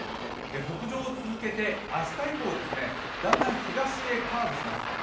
北上を続けて明日以降、だんだん東へカーブします。